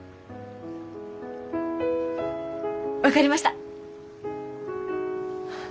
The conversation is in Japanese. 分かりました！